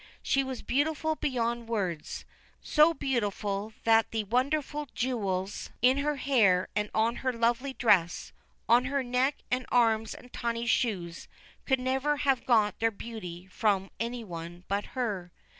She was beautiful beyond words so beautiful that the wonderful jewels in her hair and on her lovely dress, on her neck and arms and tiny shoes, could never have got their beauty from any one but her.